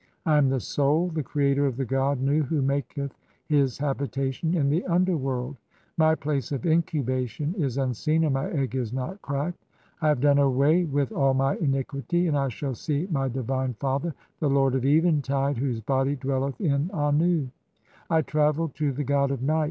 I am the Soul, the creator of the god "Nu who maketh his habitation in (17) the underworld : my "place of incubation is unseen and my egg is not cracked. I have "done away with all my iniquity, and I shall see my divine "Father, (18) the lord of eventide, whose body dwelleth in Annu. "I travel (?) to the god of night